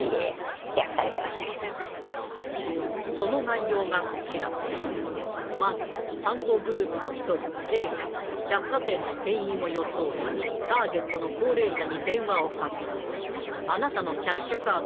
その内容がこちらまず犯行グループの一人Ａが百貨店の店員を装いターゲットの高齢者に電話をかけ「あなたのキャッシュカードで」